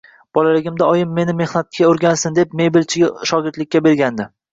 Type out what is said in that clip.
Bolaligimda oyim meni mehnatga oʻrgansin deb mebelchiga shogirdlikka bergandi.